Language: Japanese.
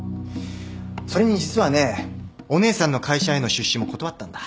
それに実はねお姉さんの会社への出資も断ったんだ。